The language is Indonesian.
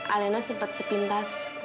alena sempet sepintas